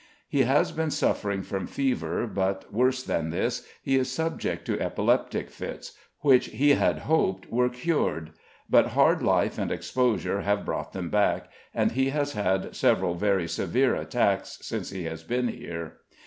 He has been suffering from fever; but worse than this, he is subject to epileptic fits, which he had hoped were cured; but hard life and exposure have brought them back, and he has had several very severe attacks since he has been here.